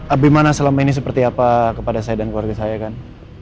abimana selama ini seperti apa kepada saya dan keluarga saya kan